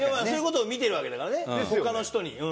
そういう事を見てるわけだからね他の人に。